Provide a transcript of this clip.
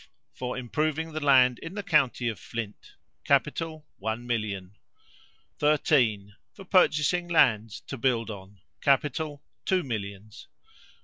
For improving the land in the county of Flint. Capital, one million. 13. For purchasing lands to build on. Capital, two millions. 14.